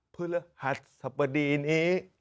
พื้นเรียกหัดสบดีนี้